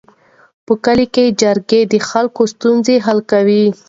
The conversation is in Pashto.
په کلي کې جرګې د خلکو ستونزې حل کوي.